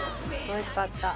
おいしかった。